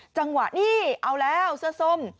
จังหวะนี้เอาแล้วเสื้อส้ม